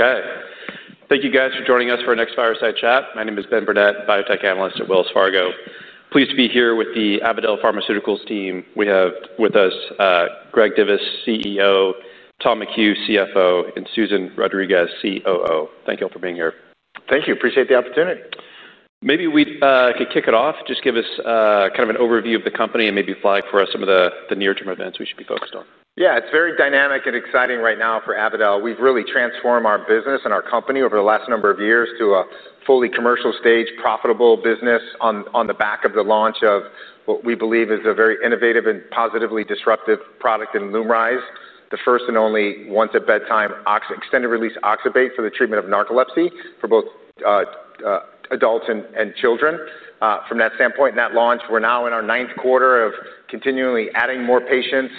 Okay. Thank you guys for joining us for our next Fireside Chat. My name is Ben Burnett. I'm a biotech analyst at Wells Fargo. Pleased to be here with the Avadel Pharmaceuticals team. We have with us Gregory J. Divis, CEO, Thomas S. McHugh, CFO, and Susan Rodriguez, COO. Thank you all for being here. Thank you. Appreciate the opportunity. Maybe we could kick it off. Just give us kind of an overview of the company and maybe flag for us some of the near-term events we should be focused on. Yeah, it's very dynamic and exciting right now for Avadel Pharmaceuticals. We've really transformed our business and our company over the last number of years to a fully commercial stage, profitable business on the back of the launch of what we believe is a very innovative and positively disruptive product in LUMRYZ, the first and only once-at-bedtime, extended-release oxybate for the treatment of narcolepsy for both adults and children. From that standpoint and that launch, we're now in our ninth quarter of continually adding more patients,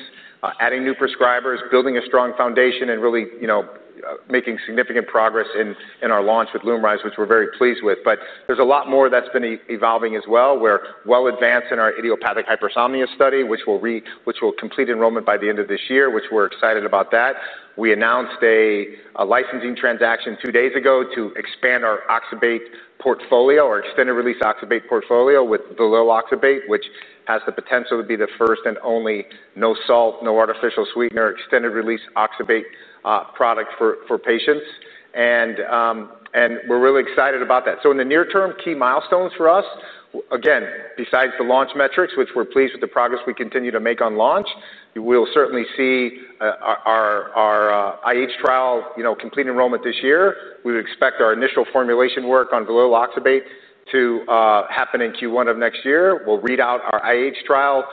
adding new prescribers, building a strong foundation, and really making significant progress in our launch with LUMRYZ, which we're very pleased with. There's a lot more that's been evolving as well. We're well advanced in our idiopathic hypersomnia study, which will complete enrollment by the end of this year, which we're excited about. We announced a licensing transaction two days ago to expand our oxybate portfolio, our extended-release oxybate portfolio, with Belil Oxybate, which has the potential to be the first and only no-salt, no-artificial-sweetener, extended-release oxybate product for patients. We're really excited about that. In the near term, key milestones for us, again, besides the launch metrics, which we're pleased with the progress we continue to make on launch, we'll certainly see our IH trial complete enrollment this year. We expect our initial formulation work on Belil Oxybate to happen in Q1 of next year. We'll read out our IH trial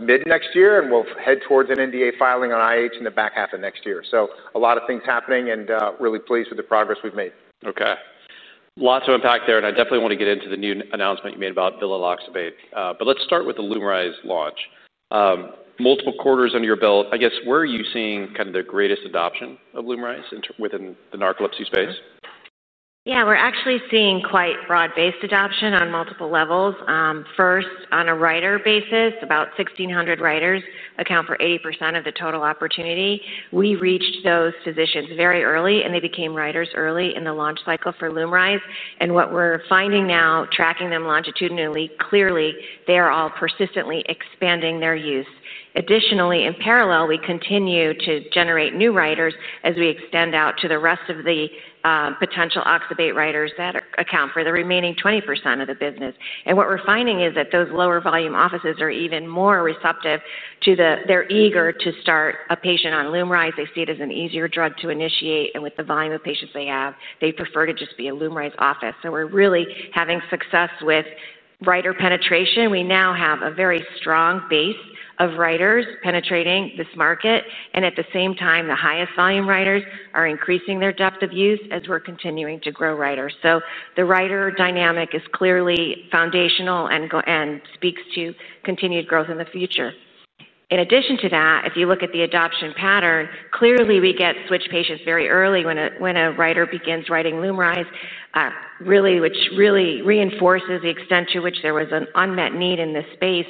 mid-next year, and we'll head towards an NDA filing on IH in the back half of next year. A lot of things are happening and we're really pleased with the progress we've made. Okay. Lots of impact there. I definitely want to get into the new announcement you made about Belil Oxybate. Let's start with the LUMRYZ launch. Multiple quarters under your belt. I guess, where are you seeing kind of the greatest adoption of LUMRYZ within the narcolepsy space? Yeah, we're actually seeing quite broad-based adoption on multiple levels. First, on a writer basis, about 1,600 writers account for 80% of the total opportunity. We reached those physicians very early, and they became writers early in the launch cycle for LUMRYZ. What we're finding now, tracking them longitudinally, clearly, they are all persistently expanding their use. Additionally, in parallel, we continue to generate new writers as we extend out to the rest of the potential oxybate writers that account for the remaining 20% of the business. What we're finding is that those lower volume offices are even more receptive to or eager to start a patient on LUMRYZ. They see it as an easier drug to initiate. With the volume of patients they have, they prefer to just be a LUMRYZ office. We're really having success with writer penetration. We now have a very strong base of writers penetrating this market. At the same time, the highest volume writers are increasing their depth of use as we're continuing to grow writers. The writer dynamic is clearly foundational and speaks to continued growth in the future. In addition to that, if you look at the adoption pattern, clearly we get switch patients very early when a writer begins writing LUMRYZ, which really reinforces the extent to which there was an unmet need in this space.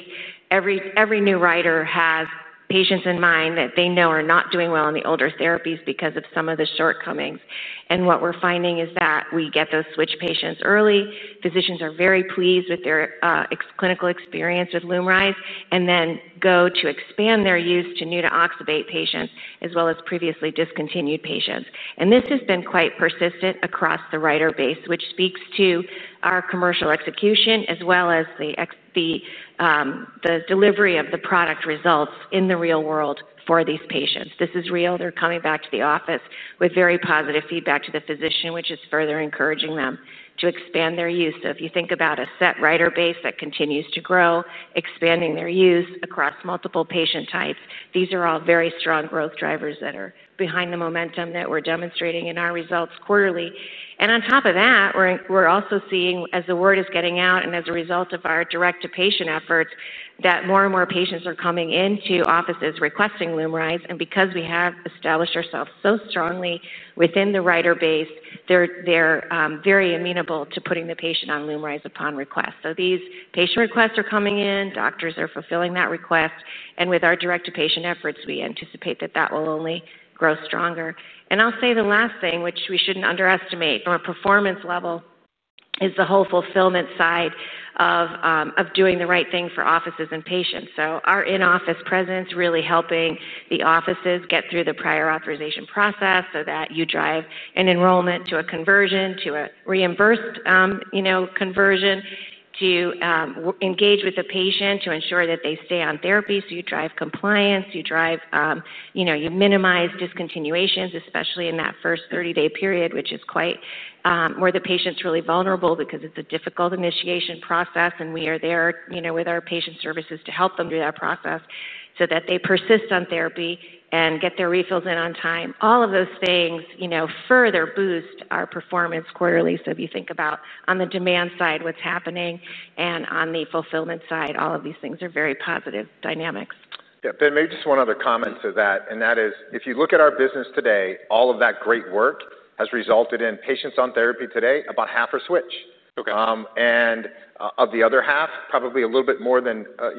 Every new writer has patients in mind that they know are not doing well on the older therapies because of some of the shortcomings. What we're finding is that we get those switch patients early. Physicians are very pleased with their clinical experience with LUMRYZ and then go to expand their use to new to oxybate patients, as well as previously discontinued patients. This has been quite persistent across the writer base, which speaks to our commercial execution, as well as the delivery of the product results in the real world for these patients. This is real. They're coming back to the office with very positive feedback to the physician, which is further encouraging them to expand their use. If you think about a set writer base that continues to grow, expanding their use across multiple patient types, these are all very strong growth drivers that are behind the momentum that we're demonstrating in our results quarterly. On top of that, we're also seeing, as the word is getting out and as a result of our direct-to-patient efforts, that more and more patients are coming into offices requesting LUMRYZ. Because we have established ourselves so strongly within the writer base, they're very amenable to putting the patient on LUMRYZ upon request. These patient requests are coming in, and doctors are fulfilling that request. With our direct-to-patient efforts, we anticipate that will only grow stronger. The last thing, which we shouldn't underestimate from a performance level, is the whole fulfillment side of doing the right thing for offices and patients. Our in-office presence is really helping the offices get through the prior authorization process so that you drive an enrollment to a conversion, to a reimbursed conversion, to engage with the patient, to ensure that they stay on therapy. You drive compliance and minimize discontinuations, especially in that first 30-day period, which is quite where the patient's really vulnerable because it's a difficult initiation process. We are there with our patient services to help them through that process so that they persist on therapy and get their refills in on time. All of those things further boost our performance quarterly. If you think about on the demand side what's happening, and on the fulfillment side, all of these things are very positive dynamics. Yeah, Ben, maybe just one other comment to that. If you look at our business today, all of that great work has resulted in patients on therapy today, about half are switched. Of the other half, probably a little bit more than a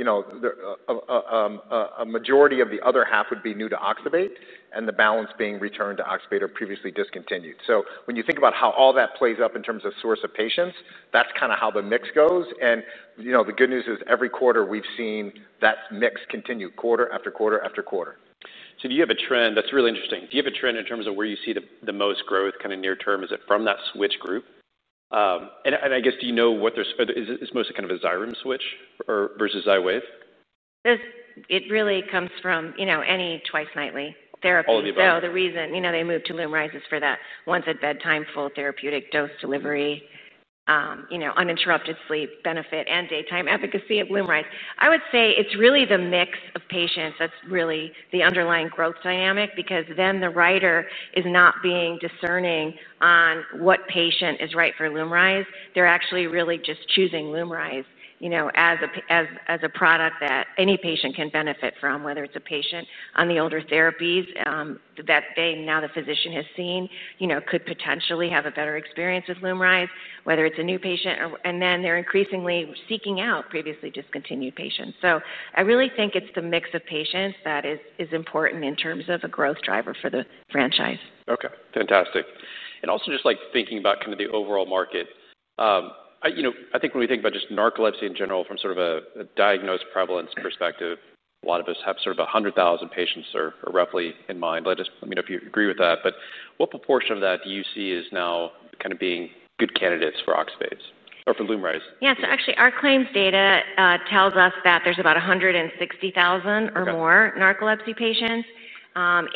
majority of the other half would be new to oxybate, and the balance being returned to oxybate or previously discontinued. When you think about how all that plays up in terms of source of patients, that's kind of how the mix goes. The good news is every quarter we've seen that mix continue, quarter after quarter after quarter. Do you have a trend that's really interesting? Do you have a trend in terms of where you see the most growth kind of near term? Is it from that switch group? I guess, do you know what they're—is this mostly kind of a Xyrem switch versus Xywav? It really comes from any twice-nightly therapy. The reason they moved to LUMRYZ is for that once-at-bedtime, full therapeutic dose delivery, uninterrupted sleep benefit, and daytime efficacy of LUMRYZ. I would say it's really the mix of patients that's really the underlying growth dynamic because the writer is not being discerning on what patient is right for LUMRYZ. They're actually really just choosing LUMRYZ as a product that any patient can benefit from, whether it's a patient on the older therapies that now the physician has seen could potentially have a better experience with LUMRYZ, whether it's a new patient, and they're increasingly seeking out previously discontinued patients. I really think it's the mix of patients that is important in terms of a growth driver for the franchise. Okay, fantastic. Also, just like thinking about kind of the overall market, I think when we think about just narcolepsy in general from sort of a diagnosed prevalence perspective, a lot of us have sort of 100,000 patients roughly in mind. Let me know if you agree with that. What proportion of that do you see is now kind of being good candidates for oxybate or for LUMRYZ? Yeah, so actually our claims data tells us that there's about 160,000 or more narcolepsy patients. 80%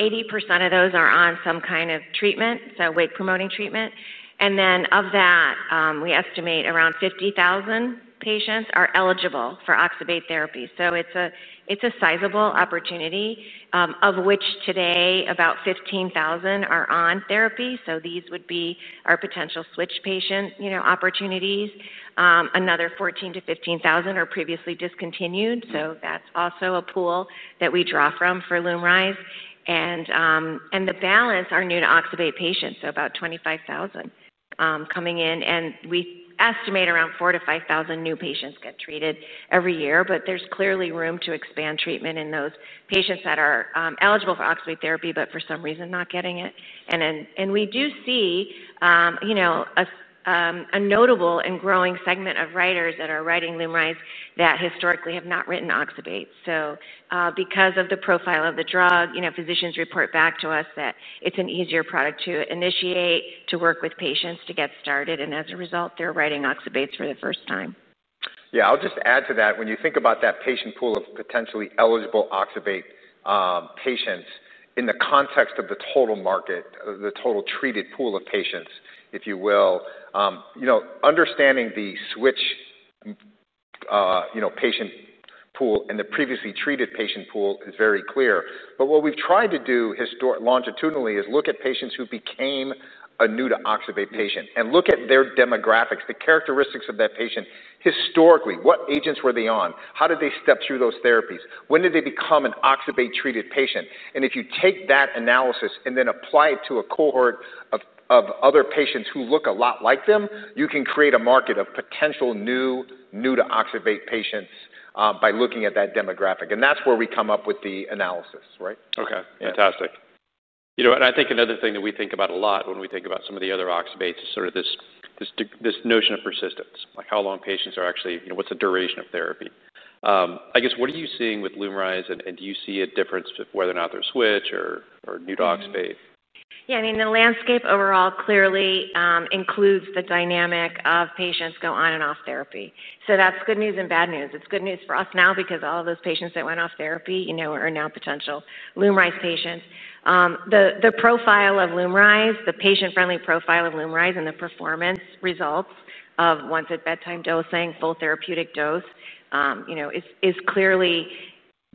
of those are on some kind of treatment, so wake-promoting treatment. Of that, we estimate around 50,000 patients are eligible for oxybate therapy. It's a sizable opportunity, of which today about 15,000 are on therapy. These would be our potential switch patient opportunities. Another 14,000- 15,000 are previously discontinued. That's also a pool that we draw from for LUMRYZ. The balance are new to oxybate patients, so about 25,000 coming in. We estimate around 4,000- 5,000 new patients get treated every year. There is clearly room to expand treatment in those patients that are eligible for oxybate therapy, but for some reason not getting it. We do see a notable and growing segment of writers that are writing LUMRYZ that historically have not written oxybate. Because of the profile of the drug, physicians report back to us that it's an easier product to initiate, to work with patients to get started. As a result, they're writing oxybate for the first time. Yeah, I'll just add to that. When you think about that patient pool of potentially eligible oxybate patients in the context of the total market, the total treated pool of patients, if you will, understanding the switch patient pool and the previously treated patient pool is very clear. What we've tried to do longitudinally is look at patients who became a new to oxybate patient and look at their demographics, the characteristics of that patient historically. What agents were they on? How did they step through those therapies? When did they become an oxybate-treated patient? If you take that analysis and then apply it to a cohort of other patients who look a lot like them, you can create a market of potential new to oxybate patients by looking at that demographic. That's where we come up with the analysis, right? Okay, fantastic. I think another thing that we think about a lot when we think about some of the other oxybate is sort of this notion of persistency, like how long patients are actually, you know, what's the duration of therapy? I guess, what are you seeing with LUMRYZ? Do you see a difference whether or not they're switched or new to oxybate? Yeah, I mean, the landscape overall clearly includes the dynamic of patients going on and off therapy. That's good news and bad news. It's good news for us now because all of those patients that went off therapy are now potential LUMRYZ patients. The profile of LUMRYZ, the patient-friendly profile of LUMRYZ, and the performance results of once-at-bedtime dosing, full therapeutic dose, is clearly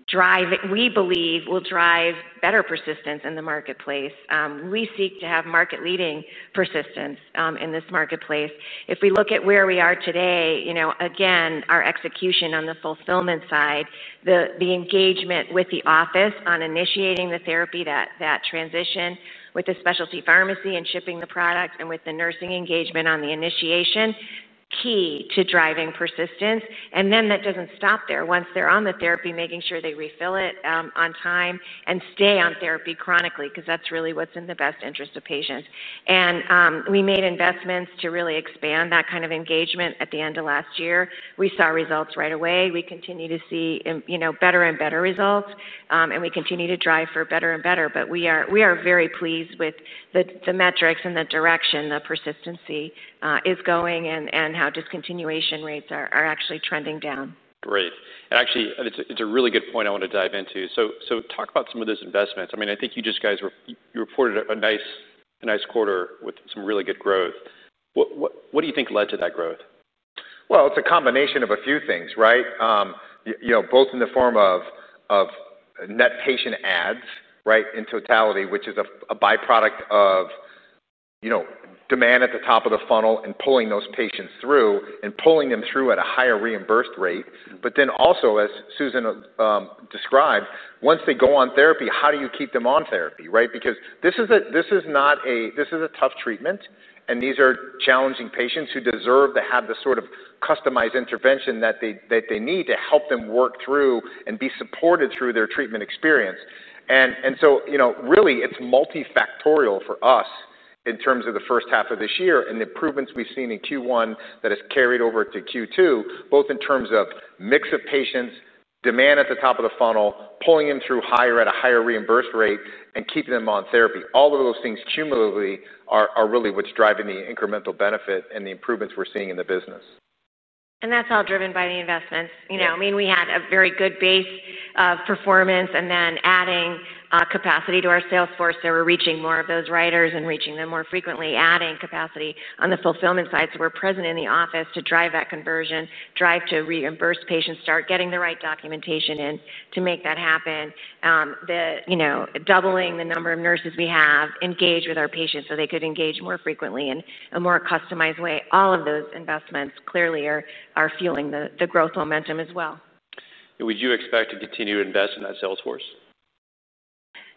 driving, we believe, will drive better persistency in the marketplace. We seek to have market-leading persistency in this marketplace. If we look at where we are today, again, our execution on the fulfillment side, the engagement with the office on initiating the therapy, that transition with the specialty pharmacy and shipping the product, and with the nursing engagement on the initiation, is key to driving persistency. That doesn't stop there. Once they're on the therapy, making sure they refill it on time and stay on therapy chronically, because that's really what's in the best interest of patients. We made investments to really expand that kind of engagement at the end of last year. We saw results right away. We continue to see better and better results. We continue to drive for better and better. We are very pleased with the metrics and the direction the persistency is going and how discontinuation rates are actually trending down. Great. That's a really good point I want to dive into. Talk about some of those investments. I think you guys just reported a nice quarter with some really good growth. What do you think led to that growth? It's a combination of a few things, right? You know, both in the form of net patient adds in totality, which is a byproduct of demand at the top of the funnel and pulling those patients through and pulling them through at a higher reimbursed rate. As Susan described, once they go on therapy, how do you keep them on therapy, right? This is not a tough treatment. These are challenging patients who deserve to have the sort of customized intervention that they need to help them work through and be supported through their treatment experience. It's multifactorial for us in terms of the first half of this year and the improvements we've seen in Q1 that have carried over to Q2, both in terms of mix of patients, demand at the top of the funnel, pulling them through at a higher reimbursed rate, and keeping them on therapy. All of those things cumulatively are really what's driving the incremental benefit and the improvements we're seeing in the business. That's all driven by the investments. We had a very good base of performance and then adding capacity to our sales force, we're reaching more of those writers and reaching them more frequently, adding capacity on the fulfillment side. We're present in the office to drive that conversion, drive to reimburse patients, start getting the right documentation in to make that happen. Doubling the number of nurses we have engaged with our patients so they could engage more frequently in a more customized way. All of those investments clearly are fueling the growth momentum as well. Would you expect to continue to invest in that sales force?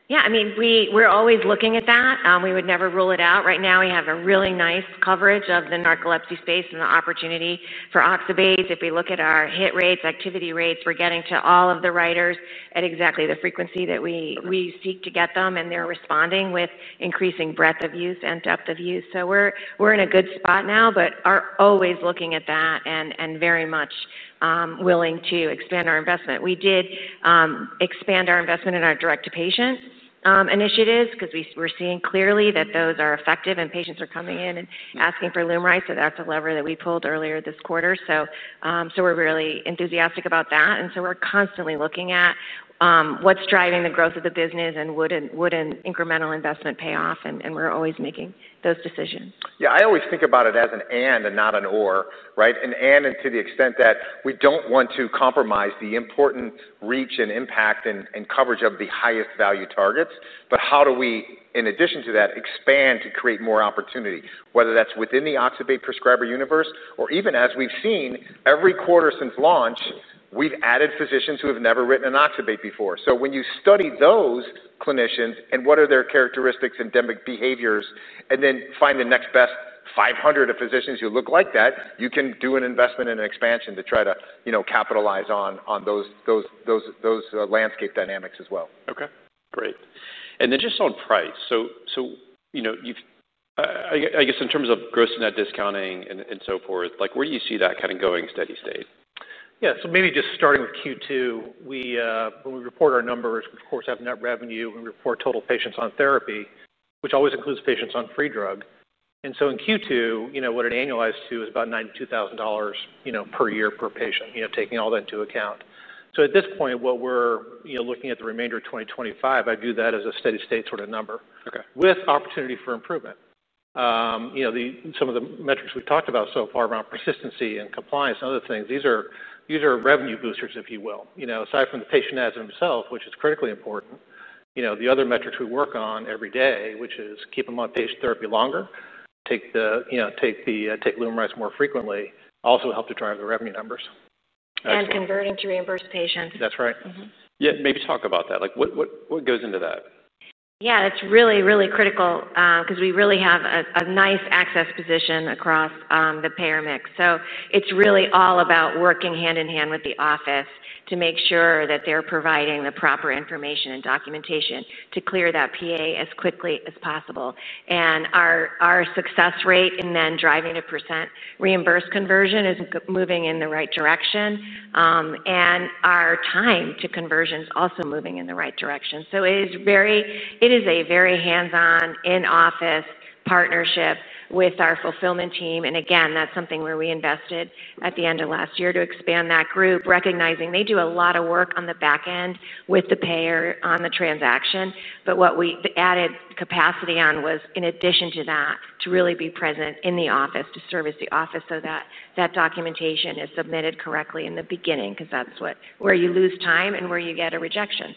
Yeah, I mean, we're always looking at that. We would never rule it out. Right now, we have a really nice coverage of the narcolepsy space and the opportunity for oxybate. If we look at our hit rates, activity rates, we're getting to all of the writers at exactly the frequency that we seek to get them, and they're responding with increasing breadth of use and depth of use. We're in a good spot now, but are always looking at that and very much willing to expand our investment. We did expand our investment in our direct-to-patient initiatives because we're seeing clearly that those are effective and patients are coming in and asking for LUMRYZ. That's a lever that we pulled earlier this quarter. We're really enthusiastic about that. We're constantly looking at what's driving the growth of the business and would an incremental investment pay off. We're always making those decisions. Yeah, I always think about it as an and and not an or, right? An and to the extent that we don't want to compromise the important reach and impact and coverage of the highest value targets. How do we, in addition to that, expand to create more opportunity, whether that's within the oxybate prescriber universe or even as we've seen every quarter since launch, we've added physicians who have never written an oxybate before. When you study those clinicians and what are their characteristics, endemic behaviors, and then find the next best 500 of physicians who look like that, you can do an investment in an expansion to try to capitalize on those landscape dynamics as well. OK, great. Just on price, in terms of gross net discounting and so forth, where do you see that kind of going steady state? Yeah, maybe just starting with Q2, when we report our numbers, we of course have net revenue. We report total patients on therapy, which always includes patients on free drug. In Q2, what it annualized to is about $92,000 per year per patient, taking all that into account. At this point, while we're looking at the remainder of 2025, I view that as a steady state sort of number with opportunity for improvement. Some of the metrics we've talked about so far around persistency and compliance and other things, these are revenue boosters, if you will. Aside from the patient adds themselves, which is critically important, the other metrics we work on every day, which is keeping them on therapy longer, take LUMRYZ more frequently, also help to drive the revenue numbers. Converting to reimbursed patients. That's right. Yeah, maybe talk about that. What goes into that? Yeah, it's really, really critical because we really have a nice access position across the payer mix. It's really all about working hand in hand with the office to make sure that they're providing the proper information and documentation to clear that PA as quickly as possible. Our success rate in then driving a pecent reimbursed conversion is moving in the right direction, and our time to conversion is also moving in the right direction. It is a very hands-on in-office partnership with our fulfillment team. That's something where we invested at the end of last year to expand that group, recognizing they do a lot of work on the back end with the payer on the transaction. What we added capacity on was in addition to that, to really be present in the office, to service the office so that that documentation is submitted correctly in the beginning because that's where you lose time and where you get a rejection.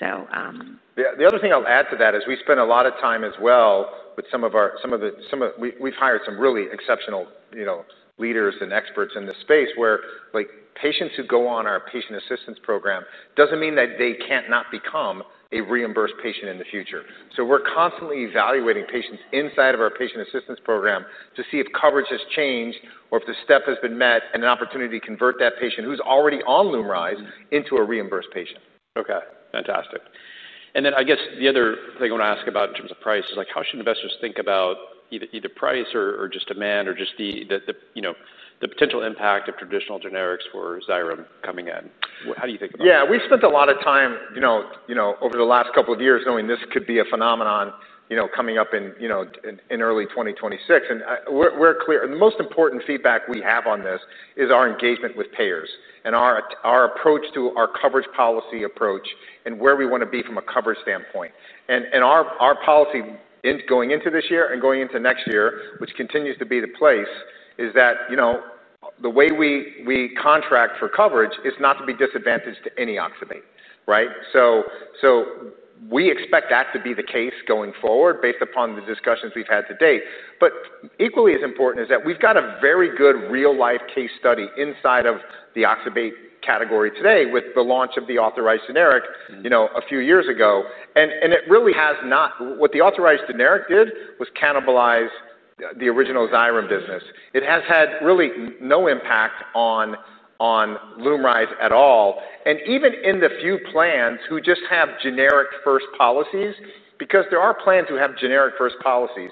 Yeah, the other thing I'll add to that is we spend a lot of time as well with some of our, we've hired some really exceptional leaders and experts in the space where patients who go on our patient assistance program doesn't mean that they can't not become a reimbursed patient in the future. We're constantly evaluating patients inside of our patient assistance program to see if coverage has changed or if the step has been met and an opportunity to convert that patient who's already on LUMRYZ into a reimbursed patient. OK, fantastic. I guess the other thing I want to ask about in terms of price is like how should investors think about either price or just demand or just the potential impact of traditional generics for Xyrem coming in? How do you think? Yeah, we spent a lot of time over the last couple of years knowing this could be a phenomenon coming up in early 2026. We're clear. The most important feedback we have on this is our engagement with payers and our approach to our coverage policy approach and where we want to be from a coverage standpoint. Our policy going into this year and going into next year, which continues to be the place, is that the way we contract for coverage is not to be disadvantaged to any oxybate, right? We expect that to be the case going forward based upon the discussions we've had to date. Equally as important is that we've got a very good real-life case study inside of the oxybate category today with the launch of the authorized generic a few years ago. What the authorized generic did was cannibalize the original Xyrem business. It has had really no impact on LUMRYZ at all. Even in the few plans who just have generic first policies, because there are plans who have generic first policies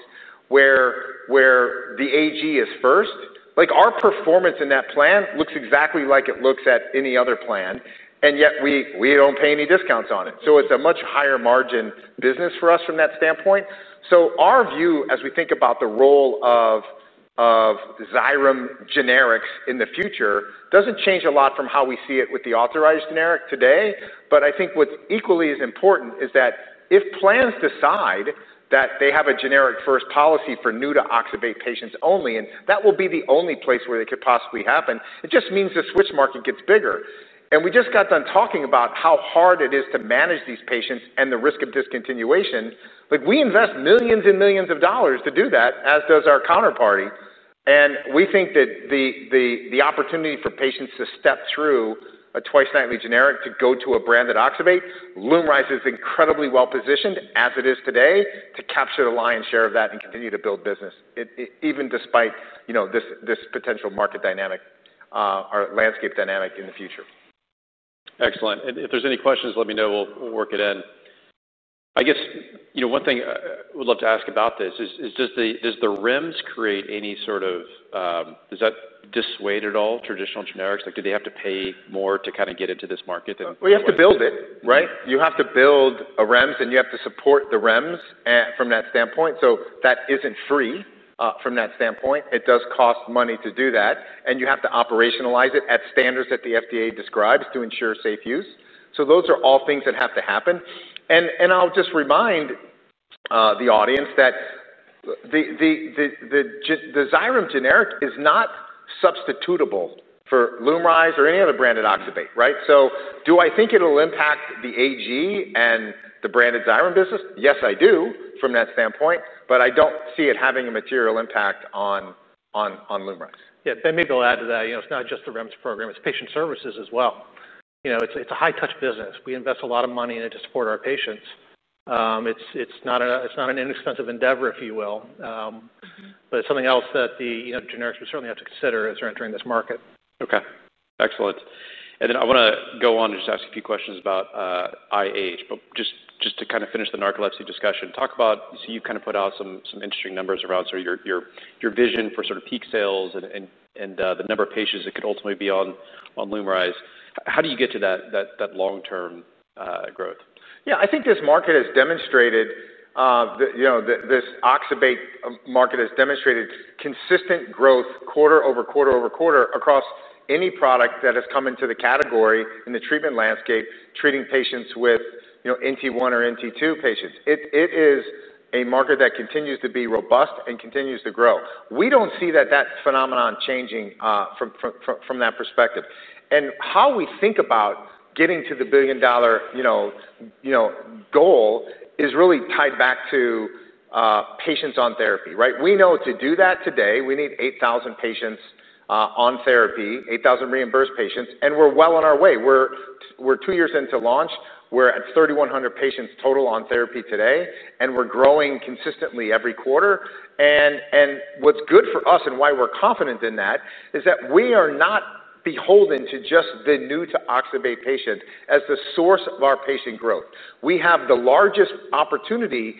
where the AG is first, our performance in that plan looks exactly like it looks at any other plan. We don't pay any discounts on it. It's a much higher margin business for us from that standpoint. Our view as we think about the role of Xyrem generics in the future doesn't change a lot from how we see it with the authorized generic today. I think what's equally as important is that if plans decide that they have a generic first policy for new to oxybate patients only, and that will be the only place where they could possibly happen, it just means the switch market gets bigger. We just got done talking about how hard it is to manage these patients and the risk of discontinuation. We invest millions and millions of dollars to do that, as does our counterparty. We think that the opportunity for patients to step through a twice nightly generic to go to a branded oxybate, LUMRYZ is incredibly well positioned as it is today to capture the lion's share of that and continue to build business even despite this potential market dynamic or landscape dynamic in the future. Excellent. If there's any questions, let me know. We'll work it in. I guess one thing I would love to ask about this is does the REMS create any sort of, does that dissuade at all traditional generics? Do they have to pay more to kind of get into this market? You have to build it, right? You have to build a REMS and you have to support the REMS from that standpoint. That isn't free from that standpoint. It does cost money to do that, and you have to operationalize it at standards that the FDA describes to ensure safe use. Those are all things that have to happen. I'll just remind the audience that the Xyrem generic is not substitutable for LUMRYZ or any other branded oxybate, right? Do I think it'll impact the AG and the branded Xyrem business? Yes, I do from that standpoint. I don't see it having a material impact on LUMRYZ. Yeah. Maybe I'll add to that. It's not just the REMS program. It's patient services as well. It's a high-touch business. We invest a lot of money in it to support our patients. It's not an inexpensive endeavor, if you will. It's something else that the generics would certainly have to consider as they're entering this market. OK. Excellent. I want to go on and just ask a few questions about IH. Just to kind of finish the narcolepsy discussion, talk about, you kind of put out some interesting numbers around sort of your vision for sort of peak sales and the number of patients that could ultimately be on LUMRYZ. How do you get to that long-term growth? Yeah, I think this market has demonstrated that this oxybate market has demonstrated consistent growth quarter over quarter over quarter across any product that has come into the category in the treatment landscape, treating patients with NT1 or NT2 patients. It is a market that continues to be robust and continues to grow. We don't see that phenomenon changing from that perspective. How we think about getting to the billion-dollar goal is really tied back to patients on therapy, right? We know to do that today, we need 8,000 patients on therapy, 8,000 reimbursed patients. We're well on our way. We're two years into launch. We're at 3,100 patients total on therapy today, and we're growing consistently every quarter. What's good for us and why we're confident in that is that we are not beholden to just the new to oxybate patient as the source of our patient growth. We have the largest opportunity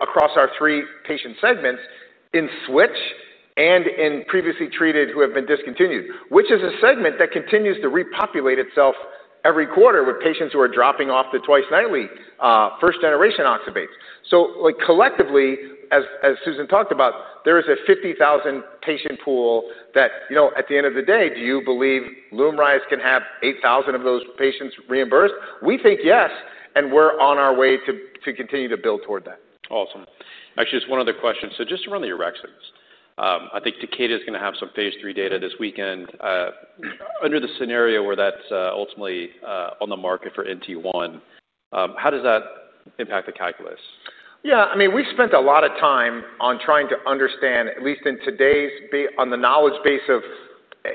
across our three patient segments in switch and in previously treated who have been discontinued, which is a segment that continues to repopulate itself every quarter with patients who are dropping off the twice-nightly first generation oxybate. Collectively, as Susan talked about, there is a 50,000 patient pool that at the end of the day, do you believe LUMRYZ can have 8,000 of those patients reimbursed? We think yes, and we're on our way to continue to build toward that. Awesome. Actually, just one other question. Just around the orexin receptor agonists, I think Takeda is going to have some phase three data this weekend. Under the scenario where that's ultimately on the market for NT1, how does that impact the calculus? Yeah, I mean, we spent a lot of time on trying to understand, at least in today's on the knowledge base of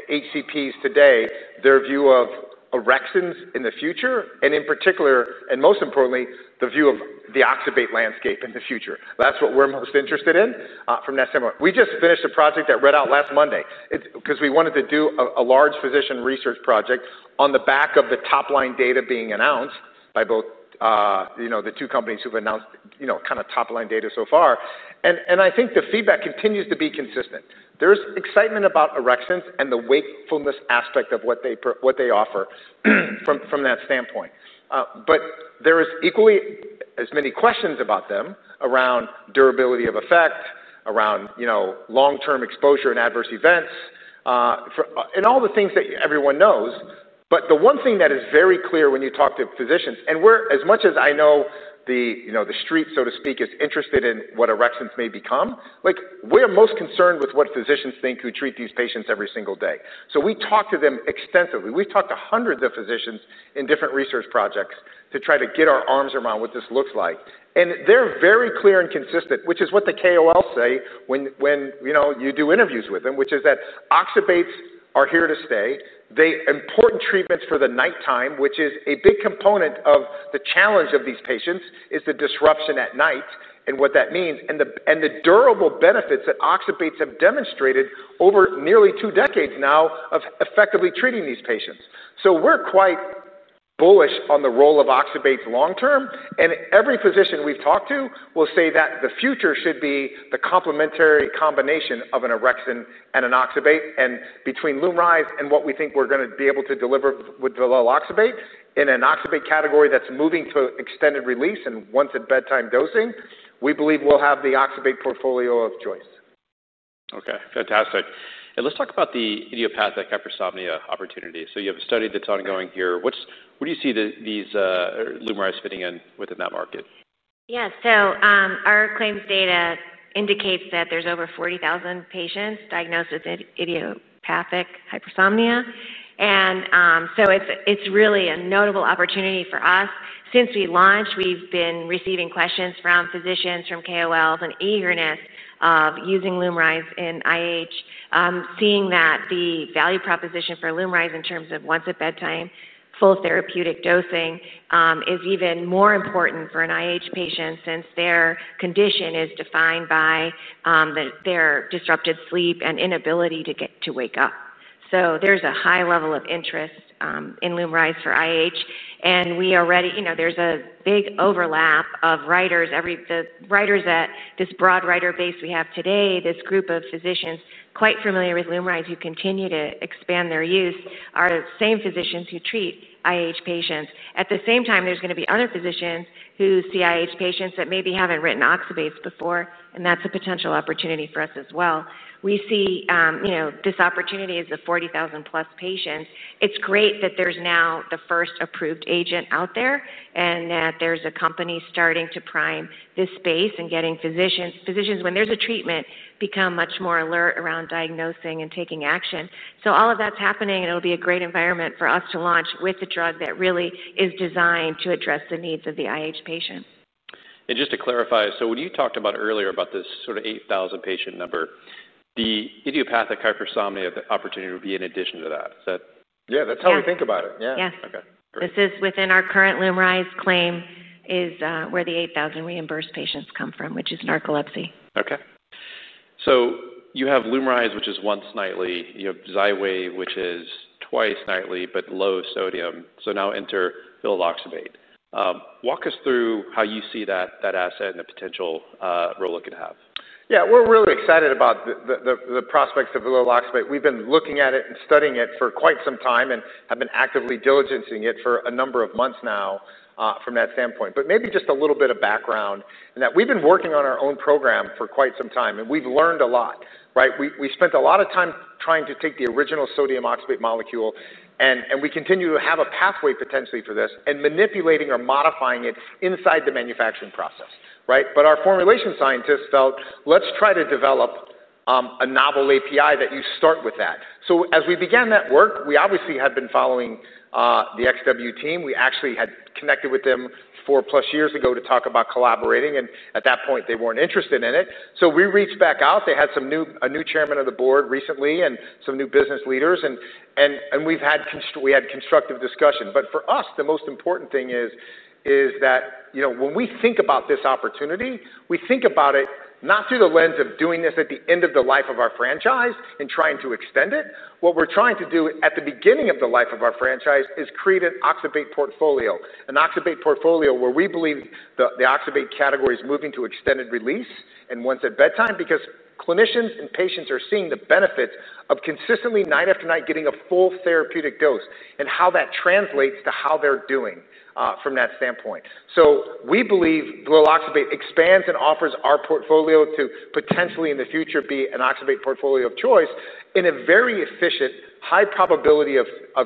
HCPs today, their view of orexins in the future and in particular, and most importantly, the view of the oxybate landscape in the future. That's what we're most interested in from that standpoint. We just finished a project that read out last Monday because we wanted to do a large physician research project on the back of the top-line data being announced by both the two companies who've announced kind of top-line data so far. I think the feedback continues to be consistent. There's excitement about orexins and the wakefulness aspect of what they offer from that standpoint. There are equally as many questions about them around durability of effect, around long-term exposure and adverse events, and all the things that everyone knows. The one thing that is very clear when you talk to physicians, and as much as I know the street, so to speak, is interested in what orexins may become, we are most concerned with what physicians think who treat these patients every single day. We talk to them extensively. We've talked to hundreds of physicians in different research projects to try to get our arms around what this looks like. They're very clear and consistent, which is what the KOLs say when you do interviews with them, which is that oxybates are here to stay. The important treatments for the nighttime, which is a big component of the challenge of these patients, is the disruption at night and what that means and the durable benefits that oxybates have demonstrated over nearly two decades now of effectively treating these patients. We're quite bullish on the role of oxybates long term. Every physician we've talked to will say that the future should be the complementary combination of an orexin and an oxybate. Between LUMRYZ and what we think we're going to be able to deliver with Belil Oxybate in an oxybate category that's moving to extended release and once at bedtime dosing, we believe we'll have the oxybate portfolio of choice. OK, fantastic. Let's talk about the idiopathic hypersomnia opportunity. You have a study that's ongoing here. What do you see these LUMRYZ fitting in within that market? Yeah, so our claims data indicates that there's over 40,000 patients diagnosed with idiopathic hypersomnia. It's really a notable opportunity for us. Since we launched, we've been receiving questions from physicians, from KOLs, and eagerness using LUMRYZ in IH, seeing that the value proposition for LUMRYZ in terms of once at bedtime, full therapeutic dosing is even more important for an IH patient since their condition is defined by their disrupted sleep and inability to wake up. There's a high level of interest in LUMRYZ for IH. We already, you know, there's a big overlap of writers, the writers at this broad writer base we have today, this group of physicians quite familiar with LUMRYZ who continue to expand their use, are the same physicians who treat IH patients. At the same time, there's going to be other physicians who see IH patients that maybe haven't written oxybate before. That's a potential opportunity for us as well. We see this opportunity as a 40,000-plus patient. It's great that there's now the first approved agent out there and that there's a company starting to prime this space and getting physicians, when there's a treatment, become much more alert around diagnosing and taking action. All of that's happening. It'll be a great environment for us to launch with a drug that really is designed to address the needs of the IH patient. Just to clarify, when you talked earlier about this sort of 8,000 patient number, the idiopathic hypersomnia opportunity would be in addition to that. Is that correct? Yeah, that's how we think about it. Yeah. OK. This is within our current LUMRYZ claim, is where the 8,000 reimbursed patients come from, which is narcolepsy. OK. You have LUMRYZ, which is once nightly. You have Xywav, which is twice nightly, but low sodium. Now enter Belil Oxybate. Walk us through how you see that asset and the potential role it could have. Yeah, we're really excited about the prospects of Belil Oxybate. We've been looking at it and studying it for quite some time and have been actively diligencing it for a number of months now from that standpoint. Maybe just a little bit of background in that we've been working on our own program for quite some time. We've learned a lot, right? We spent a lot of time trying to take the original sodium oxybate molecule. We continue to have a pathway potentially for this and manipulating or modifying it inside the manufacturing process, right? Our formulation scientists felt, let's try to develop a novel API that you start with that. As we began that work, we obviously have been following the XWPharma team. We actually had connected with them four-plus years ago to talk about collaborating. At that point, they weren't interested in it. We reached back out. They had a new Chairman of the Board recently and some new business leaders. We had constructive discussion. For us, the most important thing is that when we think about this opportunity, we think about it not through the lens of doing this at the end of the life of our franchise and trying to extend it. What we're trying to do at the beginning of the life of our franchise is create an oxybate portfolio, an oxybate portfolio where we believe the oxybate category is moving to extended release and once at bedtime because clinicians and patients are seeing the benefits of consistently night after night getting a full therapeutic dose and how that translates to how they're doing from that standpoint. We believe Belil Oxybate expands and offers our portfolio to potentially in the future be an oxybate portfolio of choice in a very efficient, high probability of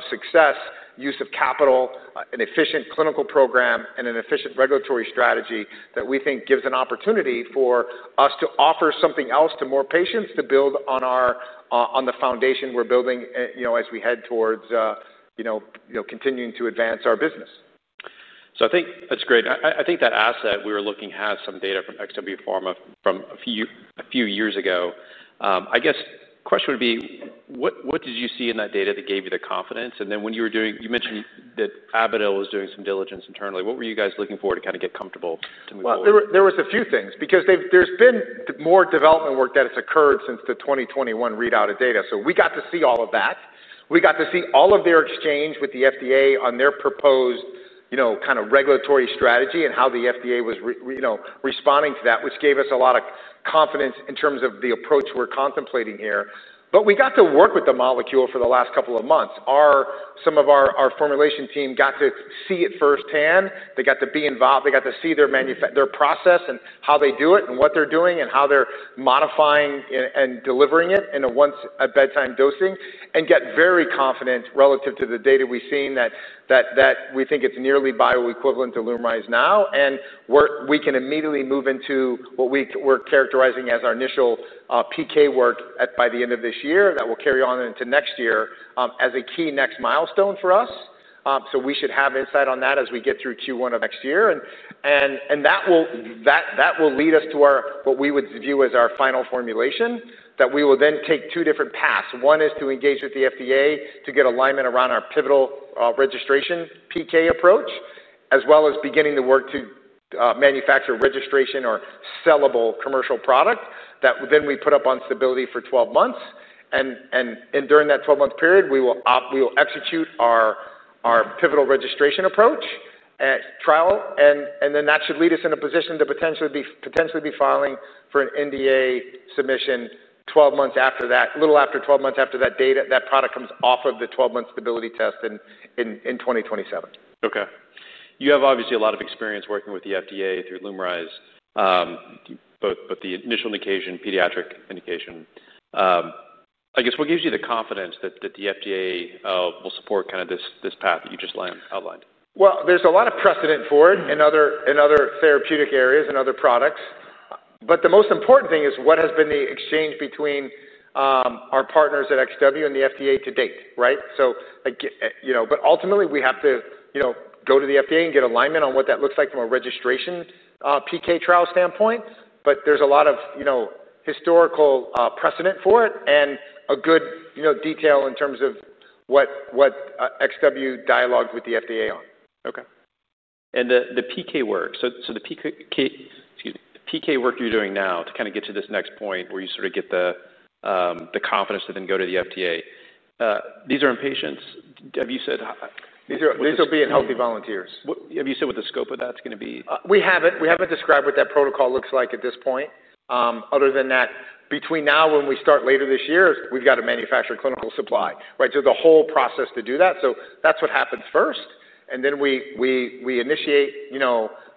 success use of capital, an efficient clinical program, and an efficient regulatory strategy that we think gives an opportunity for us to offer something else to more patients to build on the foundation we're building as we head towards continuing to advance our business. I think that's great. I think that asset we were looking at has some data from XWPharma from a few years ago. I guess the question would be, what did you see in that data that gave you the confidence? When you were doing, you mentioned that Avadel Pharmaceuticals was doing some diligence internally. What were you guys looking forward to kind of get comfortable to move on? There were a few things because there's been more development work that has occurred since the 2021 readout of data. We got to see all of that. We got to see all of their exchange with the FDA on their proposed kind of regulatory strategy and how the FDA was responding to that, which gave us a lot of confidence in terms of the approach we're contemplating here. We got to work with the molecule for the last couple of months. Some of our formulation team got to see it firsthand. They got to be involved. They got to see their process and how they do it and what they're doing and how they're modifying and delivering it in a once at bedtime dosing and get very confident relative to the data we've seen that we think it's nearly bioequivalent to LUMRYZ now. We can immediately move into what we're characterizing as our initial PK work by the end of this year that will carry on into next year as a key next milestone for us. We should have insight on that as we get through Q1 of next year. That will lead us to what we would view as our final formulation, that we will then take two different paths. One is to engage with the FDA to get alignment around our pivotal registration PK approach, as well as beginning the work to manufacture registration or sellable commercial product that then we put up on stability for 12 months. During that 12-month period, we will execute our pivotal registration approach at trial. That should lead us in a position to potentially be filing for an NDA submission 12 months after that, a little after 12 months after that product comes off of the 12-month stability test in 2027. OK. You have obviously a lot of experience working with the FDA through LUMRYZ, both the initial indication and pediatric indication. I guess what gives you the confidence that the FDA will support kind of this path that you just outlined? There is a lot of precedent for it in other therapeutic areas and other products. The most important thing is what has been the exchange between our partners at XWPharma and the FDA to date, right? Ultimately, we have to go to the FDA and get alignment on what that looks like from a registration PK trial standpoint. There is a lot of historical precedent for it and a good detail in terms of what XWPharma dialogued with the FDA on. OK. The PK work, so the PK work you're doing now to kind of get to this next point where you sort of get the confidence to then go to the FDA, these are in patients, have you said? These are being healthy volunteers. Have you said what the scope of that's going to be? We haven't described what that protocol looks like at this point, other than that between now and when we start later this year, we've got to manufacture clinical supply, right? The whole process to do that happens first. We initiate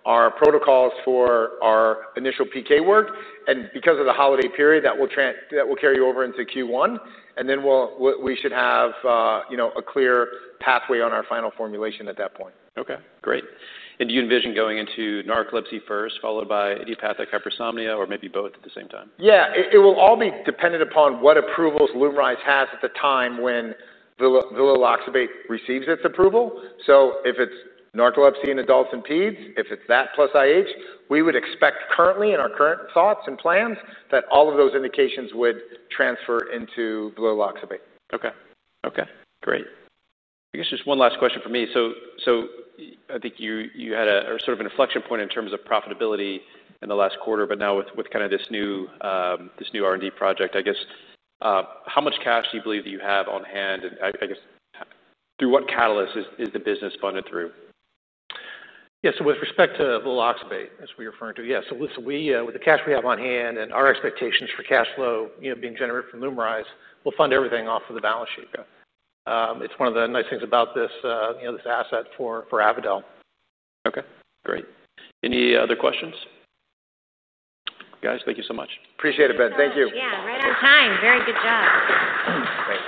our protocols for our initial PK work, and because of the holiday period, that will carry you over into Q1. We should have a clear pathway on our final formulation at that point. OK, great. Do you envision going into narcolepsy first, followed by idiopathic hypersomnia, or maybe both at the same time? Yeah, it will all be dependent upon what approvals LUMRYZ has at the time when Belil Oxybate receives its approval. If it's narcolepsy in adults and peds, if it's that plus IH, we would expect currently in our current thoughts and plans that all of those indications would transfer into Belil Oxybate. OK, great. I guess just one last question for me. I think you had a sort of an inflection point in terms of profitability in the last quarter. Now with kind of this new R&D project, I guess how much cash do you believe that you have on hand? I guess through what catalysts is the business funded through? Yeah, so with respect to Belil Oxybate, as we're referring to, with the cash we have on hand and our expectations for cash flow being generated from LUMRYZ, we'll fund everything off of the balance sheet. It's one of the nice things about this asset for Avadel. OK, great. Any other questions? Guys, thank you so much. Appreciate it, Ben. Thank you. Yeah, right on time. Very good job.